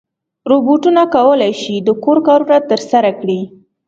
روبوټونه کولی شي د کور کارونه ترسره کړي.